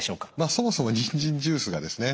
そもそもにんじんジュースがですね